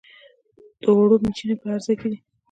د اوړو میچنې په هر ځای کې دي.